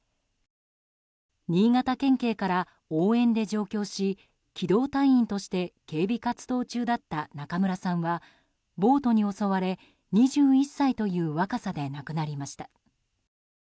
新潟県警から応援で上京し機動隊員として警備活動中だった中村さんは暴徒に襲われ２１歳という若さで亡くなりました。